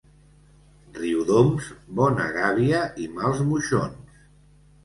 Riudoms, bona gàbia i mals moixons.